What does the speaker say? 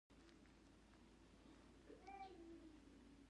ژبه د عقل هنداره ده